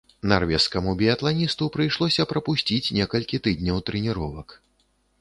Нарвежскаму біятланісту прыйшлося прапусціць некалькі тыдняў трэніровак.